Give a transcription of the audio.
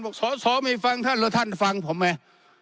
สอสอไม่ฟังท่านแล้วท่านฟังผมไหม